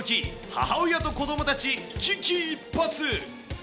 母親と子どもたち危機一髪。